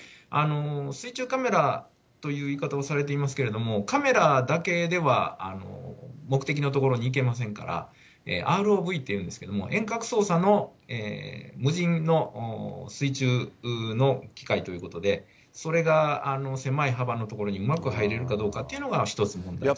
水中カメラという言い方をされていますけれども、カメラだけでは目的の所に行けませんから、ＲＯＶっていうんですけども、遠隔操作の無人の水中の機械ということで、それが狭い幅の所にうまくは入れるかどうかっていうのが、一つの問題。